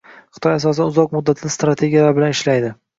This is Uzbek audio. Xitoy asosan uzoq muddatli strategiyalar bilan ishlaydi.